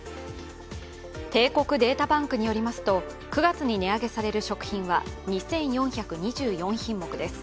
帝国データバンクによりますと９月に値上げされる食品は２４２４品目です。